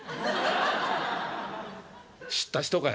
「知った人かい？